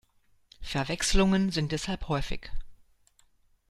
Verwechslungen sind deshalb häufig.